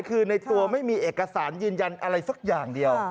คือในตัวไม่มีเอกสารยืนยันอะไรสักอย่างเดียว